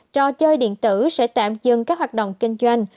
trò chơi điện tử sẽ tạm dừng các hoạt động kinh doanh